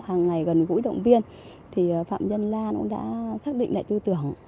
hàng ngày gần gũi động viên thì phạm nhân lan cũng đã xác định lại tư tưởng